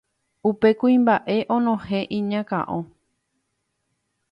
upe kuimba'e onohẽ iñakão